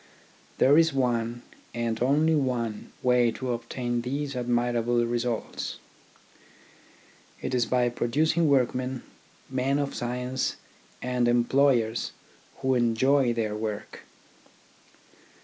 There is one — and only one — way to obtain these admirable results. It is by producing workmen, men of science, and employers who enjoy their work.